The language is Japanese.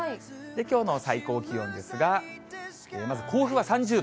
きょうの最高気温ですが、まず甲府は３０度。